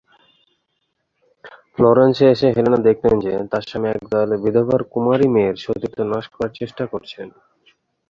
ফ্লোরেন্সে এসে হেলেনা দেখলেন যে, তার স্বামী এক দয়ালু বিধবার কুমারী মেয়ের সতীত্ব নাশ করার চেষ্টা করছেন।